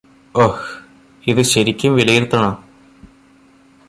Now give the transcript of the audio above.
ഒഹ് ഇത് ശരിക്കും വിലയിരുത്തണോ